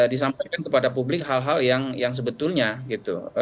disampaikan kepada publik hal hal yang sebetulnya gitu